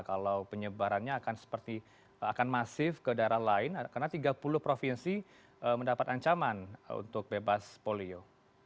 kalau penyebarannya akan seperti akan masif ke daerah lain karena tiga puluh provinsi mendapat ancaman untuk bebas polio